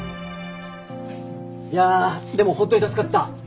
いやでも本当に助かった。